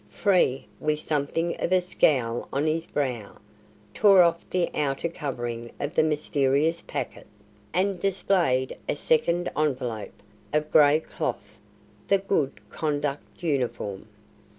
Frere, with something of a scowl on his brow, tore off the outer covering of the mysterious packet, and displayed a second envelope, of grey cloth the "good conduct" uniform.